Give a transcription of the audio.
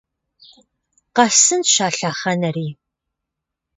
Къэсынщ а лъэхъэнэри!